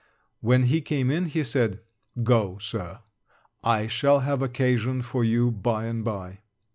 When he came in, he said, 'Go, Sir. I shall have occasion for you by and by.'